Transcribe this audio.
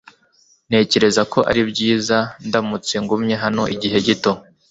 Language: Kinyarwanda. Ntekereza ko ari byiza ndamutse ngumye hano igihe gito.